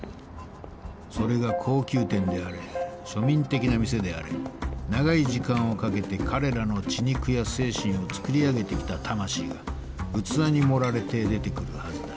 それが高級店であれ庶民的な店であれ長い時間をかけて彼らの血肉や精神をつくり上げてきた魂が器に盛られて出てくるはずだ。